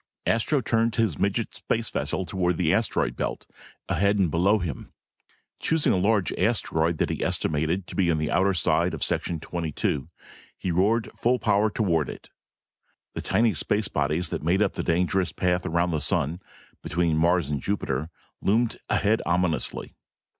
Astro turned his midget space vessel toward the asteroid belt, ahead and below him. Choosing a large asteroid that he estimated to be on the outer edge of section twenty two, he roared full power toward it. The tiny space bodies that made up the dangerous path around the sun, between Mars and Jupiter, loomed ahead ominously.